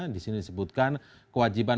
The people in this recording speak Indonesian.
disini disebutkan kewajiban